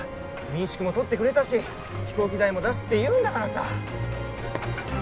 民宿も取ってくれたし飛行機代も出すって言うんだからさ。